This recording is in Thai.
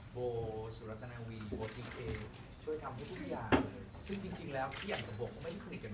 พี่แอร์นัทนาบุญหลงพี่ปุ๊กอันชลิงจงภิกษ์มีภิรพัฒน์